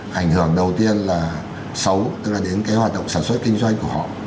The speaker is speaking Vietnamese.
ảnh hưởng đầu tiên là xấu tức là đến cái hoạt động sản xuất kinh doanh của họ